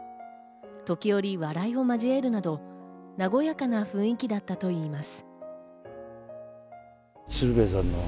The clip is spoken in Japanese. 時折、笑いを交えるなど、和やかな雰囲気だったといいます。